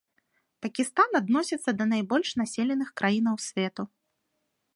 Пакістан адносіцца да найбольш населеных краін свету.